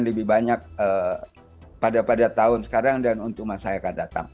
lebih banyak pada tahun sekarang dan untuk masa yang akan datang